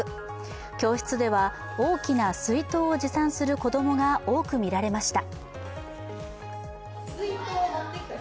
教室では、大きな水筒を持参する子供が多く見られました。